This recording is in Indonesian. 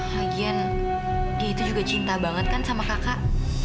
bahagian dia itu juga cinta banget kan sama kakak